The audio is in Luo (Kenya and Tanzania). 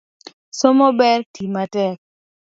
Somo ber, tii matek